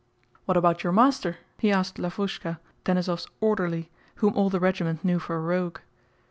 "What about your master?" he asked Lavrúshka, Denísov's orderly, whom all the regiment knew for a rogue.